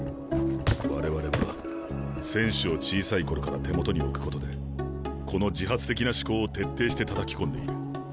我々は選手を小さい頃から手元に置くことでこの自発的な思考を徹底してたたき込んでいる。